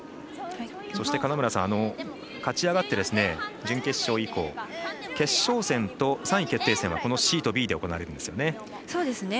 そして、勝ち上がって準決勝以降決勝戦と３位決定戦はこのシートＢで行われるんですよね。